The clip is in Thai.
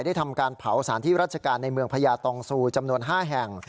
ทำการเผาสารที่ราชการในเมืองพญาตองซูจำนวน๕แห่ง